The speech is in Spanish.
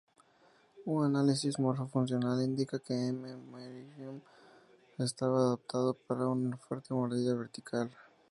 Un análisis morfo-funcional indica que "M. americanum" estaba adaptado para una fuerte mordida vertical.